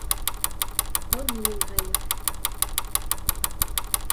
Был минең ғәйеп